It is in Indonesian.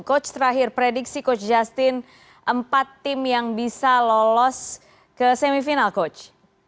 coach terakhir prediksi coach justin empat tim yang bisa lolos ke semifinal coach